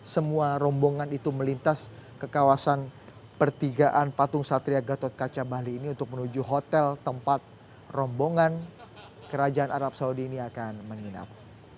semua rombongan itu melintas ke kawasan pertigaan patung satria gatot kaca bali ini untuk menuju hotel tempat rombongan kerajaan arab saudi ini akan menginap